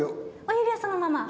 親指はそのまま。